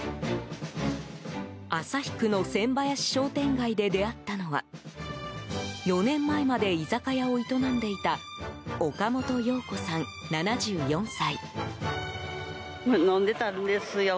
旭区の千林商店街で出会ったのは４年前まで居酒屋を営んでいた岡本陽子さん、７４歳。